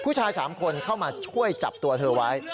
ผู้ชาย๓คนเข้ามาช่วยจับตัวเธอไว้